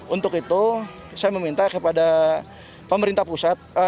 untuk itu saya meminta kepada pemerintah pusat